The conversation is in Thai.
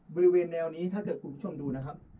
บริเวณแนวนี้ถ้าเกิดคุณผู้ชมดูนะครับ